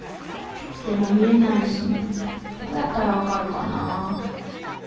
でも見えないしどうやったらわかるかな？